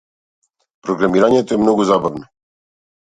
Програмирањето е многу забавно.